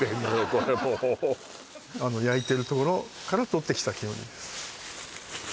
これもう焼いてるところからとってきた煙です